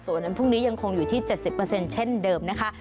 สวัสดีนั้นพรุ่งนี้ยังคงอยู่ที่๗๐เปอร์เซ็นต์เช่นเดิมนะคะ